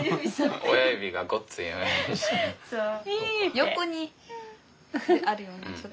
横にあるよな。